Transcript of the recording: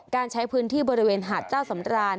การใช้พื้นที่บริเวณหาดเจ้าสำราน